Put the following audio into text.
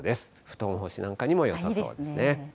布団干しなんかにもよさそうですね。